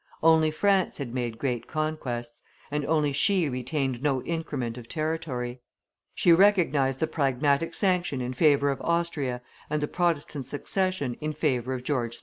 Only France had made great conquests; and only she retained no increment of territory. She recognized the Pragmatic Sanction in favor of Austria and the Protestant succession in favor of George II.